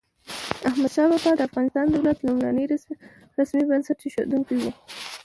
احمد شاه بابا د افغان دولت لومړنی رسمي بنسټ اېښودونکی و.